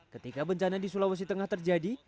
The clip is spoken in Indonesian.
ketika bencana di sulawesi tengah terjadi